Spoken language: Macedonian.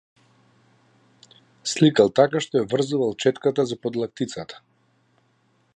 Сликал така што ја врзувал четката за подлактицата.